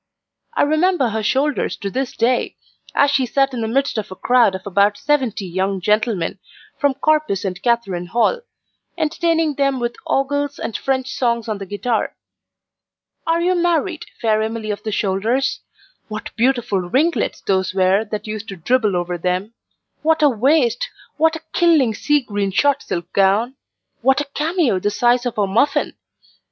I remember her shoulders to this day, as she sat in the midst of a crowd of about seventy young gentlemen, from Corpus and Catherine Hall, entertaining them with ogles and French songs on the guitar. Are you married, fair Emily of the shoulders? What beautiful ringlets those were that used to dribble over them! what a waist! what a killing sea green shot silk gown! what a cameo, the size of a muffin!